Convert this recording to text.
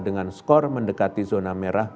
dengan skor mendekati zona merah